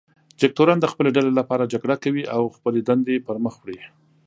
جګتورن د خپلې ډلې لپاره جګړه کوي او خپلې دندې پر مخ وړي.